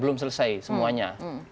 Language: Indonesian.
belum selesai semuanya